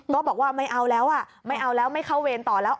ก็บอกว่าไม่เอาแล้วอ่ะไม่เอาแล้วไม่เข้าเวรต่อแล้ว